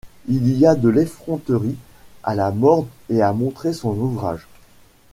Il y a de l’effronterie à la mort à montrer son ouvrage.